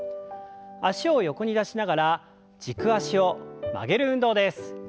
脚を横に出しながら軸足を曲げる運動です。